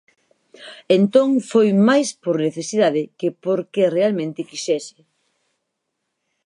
Entón foi máis por necesidade que por que realmente quixese.